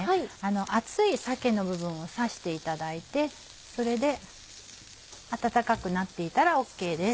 厚い鮭の部分を刺していただいてそれで温かくなっていたらＯＫです。